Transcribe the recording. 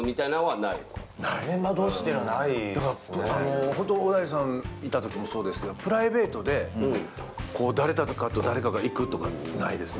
だからホント小田井さんいたときもそうですけどプライベートでこう誰かと誰かが行くとかないです。